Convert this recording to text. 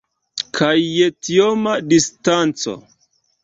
Kaj je tioma distanco!